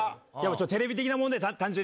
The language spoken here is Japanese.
テレビ的な問題単純に。